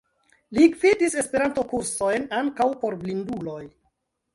Li gvidis Esperanto-kursojn, ankaŭ por blinduloj.